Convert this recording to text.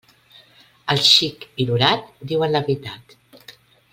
El xic i l'orat diuen la veritat.